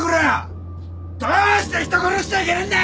どうして人殺しちゃいけねえんだ！？